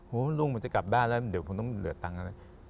ลูกมันจะกลับบ้านแล้วเดี๋ยวผมต้องเหลือตังค์อะไร